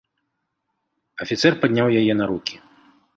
Афіцэр падняў яе на рукі.